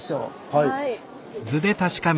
はい。